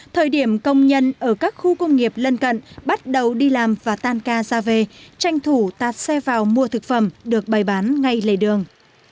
thời điểm công nhân ở các khu công nghiệp lân cận bắt đầu đi làm và tan ca ra về tranh thủ tạt xe vào mua thực phẩm được bày bán ngay lề đường